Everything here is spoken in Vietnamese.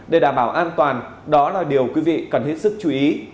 để đảm bảo an toàn đó là điều quý vị cần hết sức chú ý